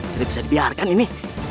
tidak bisa dibiarkan ini